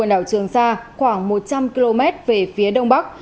quần đảo trường sa khoảng một trăm linh km về phía đông bắc